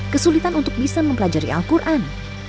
kesulitan untuk bisa mempelajari al quran